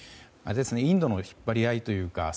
インドの引っ張り合いというか